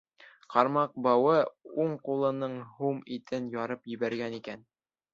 Ҡармаҡ бауы уң ҡулының һум итен ярып ебәргән икән.